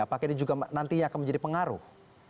apakah ini juga nantinya akan menjadi pengaruh